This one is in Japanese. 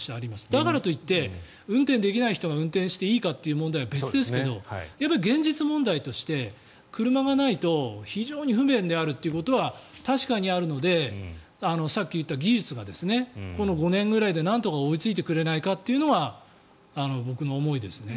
だからといって運転できない人が運転していいかっていう問題は別ですが現実問題として車がないと非常に不便であるということは確かにあるのでさっき言った技術がこの５年ぐらいでなんとか追いついてくれないかっていうのは僕の思いですね。